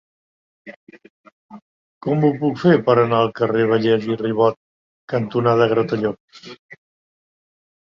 Com ho puc fer per anar al carrer Vallès i Ribot cantonada Gratallops?